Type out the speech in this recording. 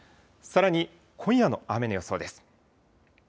さらに今夜の雨の予想です。